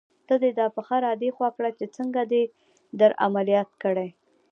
ته دې دا پښه را دې خوا کړه چې څنګه دې در عملیات کړې.